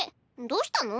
どうしたの？